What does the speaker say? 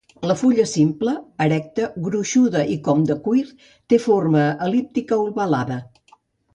La fulla simple, erecta, gruixuda i com de cuir, té forma el·líptica-ovalada.